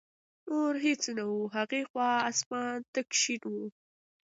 نور هېڅ نه و، هغې خوا اسمان تک شین و.